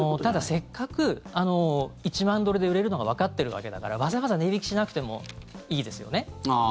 せっかく１万ドルで売れるのがわかってるわけだからわざわざ値引きしなくてもいいですよね。